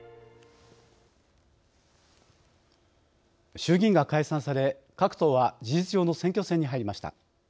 衆議院が解散され各党は事実上の選挙戦に入りました。